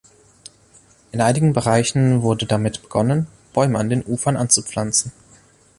In einigen Bereichen wurde damit begonnen, Bäume an den Ufern anzupflanzen.